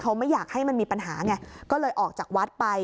เขาไม่อยากให้มันมีปัญหาไงก็เลยออกจากวัดไป